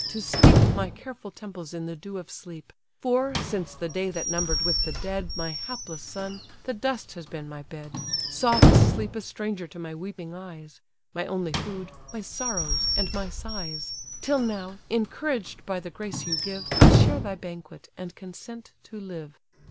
to steep My careful temples in the dew of sleep: For, since the day that number'd with the dead My hapless son, the dust has been my bed; Soft sleep a stranger to my weeping eyes; My only food, my sorrows and my sighs! Till now, encouraged by the grace you give, I share thy banquet, and consent to live."